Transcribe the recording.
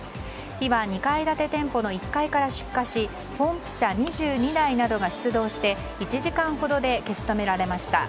火は２階建て店舗の１階から出火しポンプ車２２台などが出動して１時間ほどで消し止められました。